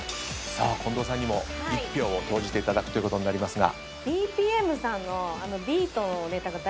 近藤さんにも１票を投じていただくということになりますが。